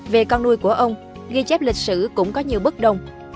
về con nuôi của ông ghi chép lịch sử cũng có nhiều bất đồng